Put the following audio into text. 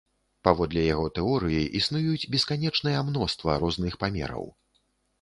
Паводле яго тэорыі, існуюць бесканечныя мноства розных памераў.